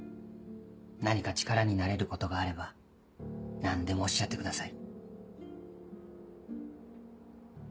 何か力になれることがあれば何でもおっしゃってください。